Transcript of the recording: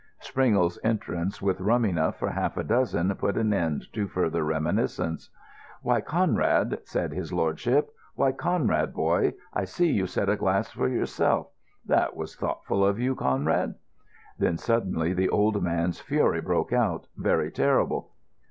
Springle's entrance with rum enough for half a dozen put an end to further reminiscence. "Why, Conrad," said his lordship, "why, Conrad, boy, I see you've set a glass for yourself. That was thoughtful of you, Conrad." Then suddenly the old man's fury broke out—very terrible.